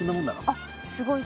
あっすごい。